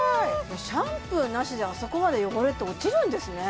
シャンプーなしであそこまで汚れって落ちるんですね